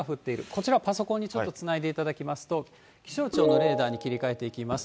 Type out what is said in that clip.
こちら、パソコンにちょっとつないでいただきますと、気象庁のレーダーに切り替えていきます。